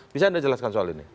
bisa anda jelaskan soal ini